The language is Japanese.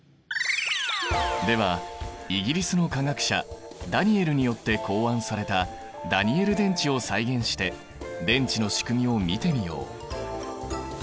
ではイギリスの化学者ダニエルによって考案されたダニエル電池を再現して電池のしくみを見てみよう。